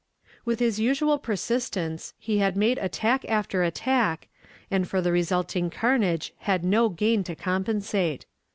With his usual persistence, he had made attack after attack, and for the resulting carnage had no gain to compensate.